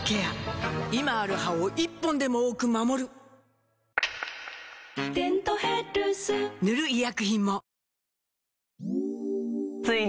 今ある歯を１本でも多く守る「デントヘルス」塗る医薬品も